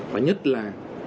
và nhất là